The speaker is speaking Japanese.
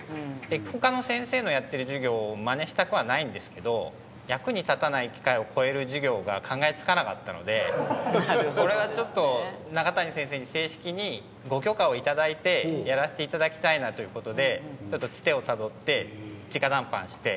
他の先生のやってる授業をマネしたくはないんですけど役に立たない機械を超える授業が考えつかなかったのでこれはちょっと中谷先生に正式にご許可を頂いてやらせて頂きたいなという事でツテをたどって直談判して。